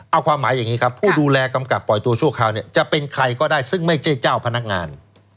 เอาความหมายอย่างนี้ครับผู้ดูแลกำกับปล่อยตัวชั่วคราวเนี่ยจะเป็นใครก็ได้ซึ่งไม่ใช่เจ้าพนักงาน